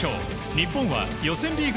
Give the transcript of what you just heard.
日本は予選リーグ